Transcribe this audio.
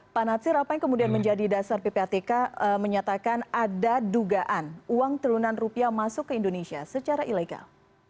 pak natsir apa yang kemudian menjadi dasar ppatk menyatakan ada dugaan uang triliunan rupiah masuk ke indonesia secara ilegal